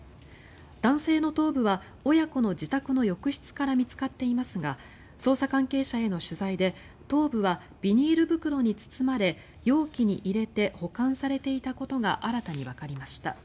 男性の頭部は親子の自宅の浴室から見つかっていますが捜査関係者への取材で頭部はビニール袋に包まれ容器に入れて保管されていたことが新たにわかりました。